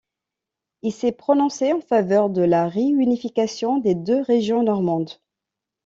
Il s'est prononcé en faveur de la réunification des deux régions normandes.